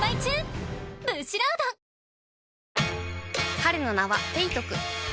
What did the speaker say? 彼の名はペイトク